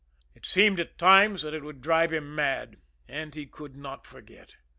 It seemed at times that it would drive him mad and he could not forget.